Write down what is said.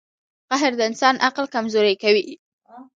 • قهر د انسان عقل کمزوری کوي.